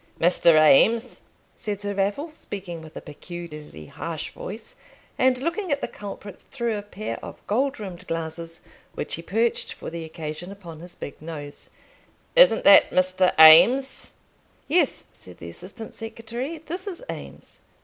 "Mr. Eames?" said Sir Raffle, speaking with a peculiarly harsh voice, and looking at the culprit through a pair of gold rimmed glasses, which he perched for the occasion upon his big nose. "Isn't that Mr. Eames?" "Yes," said the assistant secretary, "this is Eames."